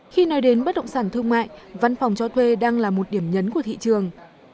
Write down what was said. khi nói đến bất động sản thương mại văn phòng cho thuê đang là một điểm nhấn của thị trường